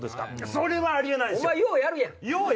それはあり得ないです！